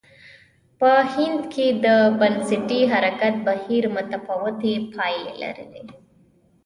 په هند کې د بنسټي حرکت بهیر متفاوتې پایلې لرلې.